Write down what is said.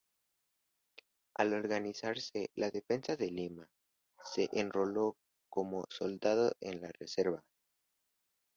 Al organizarse la defensa de Lima, se enroló como soldado en la reserva.